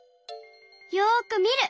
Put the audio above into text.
よくみる！